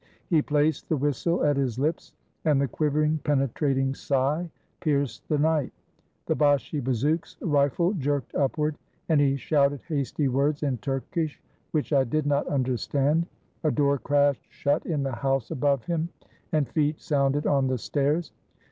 He placed the whistle at his lips, and the quivering, penetrating sigh pierced the night. The Bashi bazouk's rifle jerked upward, and he shouted hasty words in Turk ish, which I did not understand. A door crashed shut in the house above him, and feet sounded on the stairs.